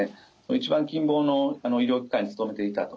一番近傍の医療機関に勤めていたと。